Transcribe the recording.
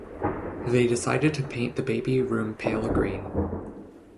They decided to paint the baby room pale green.